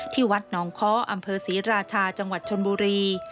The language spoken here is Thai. ที่วัดหนองค้ออำเภอศรีราชาจังหวัดชนบุรี